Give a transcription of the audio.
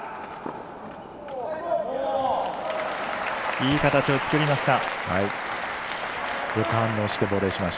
いい形を作りました。